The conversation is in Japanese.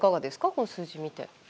この数字見て。